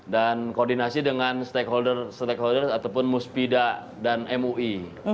dan koordinasi dengan stakeholder stakeholder ataupun muspida dan mui